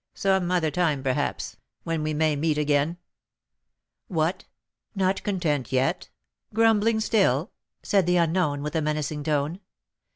Some other time, perhaps, when we may meet again " "What! not content yet, grumbling still?" said the unknown, with a menacing tone.